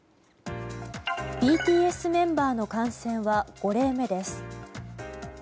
ＢＴＳメンバーの感染は５例目です。